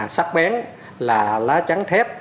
sắc bén là lá trắng thép